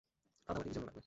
কাদামাটি কিজন্য লাগবে?